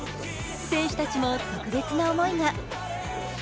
選手たちも特別な思いが。